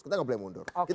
kita gak boleh mundur